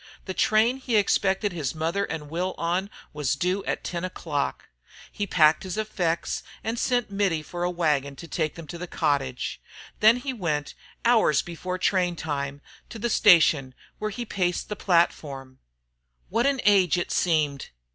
The train he expected his mother and Will on was due at ten o'clock. He packed his effects, and sent Mittie for a wagon to take them to the cottage. Then he went, hours before train time, to the station where he paced the platform. What an age it seemed!